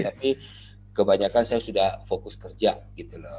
tapi kebanyakan saya sudah fokus kerja gitu loh